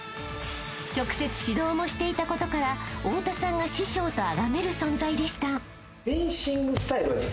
［直接指導もしていたことから太田さんが師匠とあがめる存在でした］